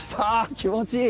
気持ちいい。